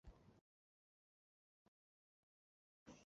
它在美国若干不同的基地进行。